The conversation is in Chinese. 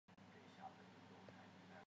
古柏树的历史年代为明代。